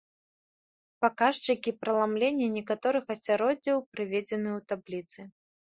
Паказчыкі праламлення некаторых асяроддзяў прыведзены ў табліцы.